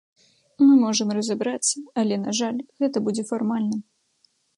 Мы можам разабрацца, але, на жаль, гэта будзе фармальным.